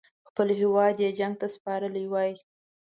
خپل هیواد یې جنګ ته سپارلی وای.